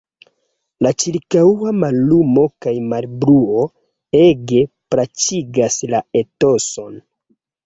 La ĉirkaŭa mallumo kaj malbruo ege plaĉigas la etoson.